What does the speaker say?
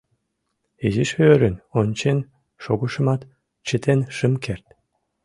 Изиш ӧрын ончен шогышымат, чытен шым керт.